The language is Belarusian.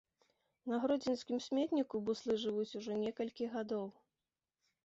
На гродзенскім сметніку буслы жывуць ужо некалькі гадоў.